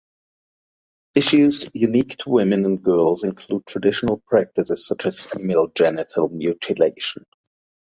Issues unique to women and girls include traditional practices such as female genital mutilation.